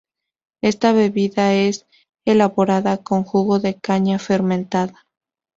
Esta bebida es elaborada con jugo de caña fermentada.